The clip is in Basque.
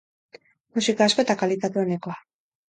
Musika asko eta kalitate onekoa.